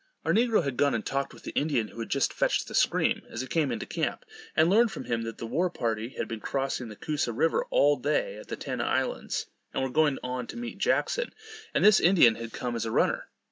Our negro had gone and talked with the Indian who had just fetched the scream, as he come into camp, and learned from him, that the war party had been crossing the Coosa river all day at the Ten islands; and were going on to meet Jackson, and this Indian had come as a runner.